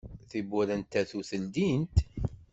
Tiwurra n tatut ldint.